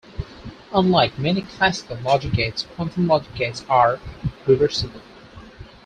Unlike many classical logic gates, quantum logic gates are reversible.